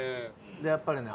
やっぱりね。